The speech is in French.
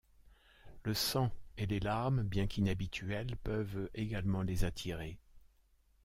Le sang et les larmes, bien qu'inhabituels, peuvent également les attirer.